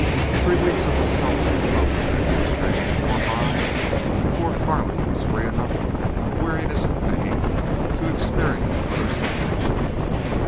Three weeks of this self imposed strenuous training wore by before Carley was free enough from weariness and pain to experience other sensations.